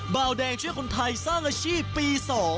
เบาแดงช่วยคนไทยสร้างอาชีพปี๒